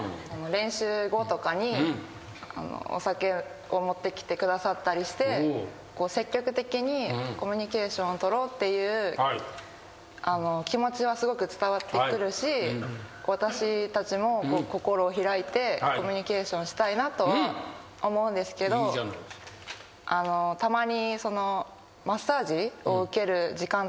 練習後とかにお酒を持ってきてくださったりして積極的にコミュニケーションを取ろうっていう気持ちはすごく伝わってくるし私たちも心を開いてコミュニケーションしたいなとは思うんですけどたまに。